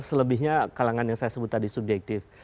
selebihnya kalangan yang saya sebut tadi subjektif